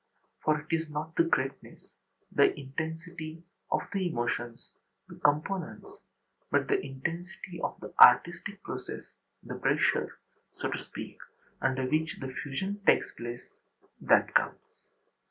For it is not the âgreatness,â the intensity, of the emotions, the components, but the intensity of the artistic process, the pressure, so to speak, under which the fusion takes place, that counts.